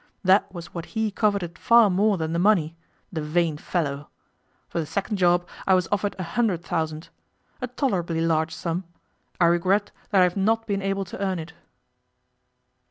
That was what he coveted far more than the money the vain fellow! For the second job I was offered a hundred thousand. A tolerably large sum. I regret that I have not been able to earn it.